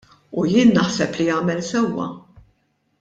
U jien naħseb li għamel sewwa.